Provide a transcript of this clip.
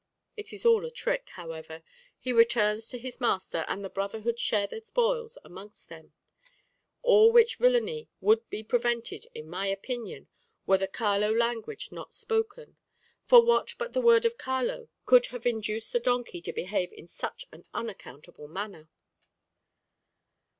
It is all a trick, however; he returns to his master, and the brotherhood share the spoil amongst them: all which villainy would be prevented, in my opinion, were the Caló language not spoken; for what but the word of Caló could have induced the donkey to behave in such an unaccountable manner?"